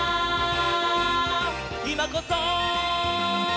「いまこそ！」